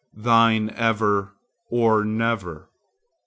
Thine ever, or never.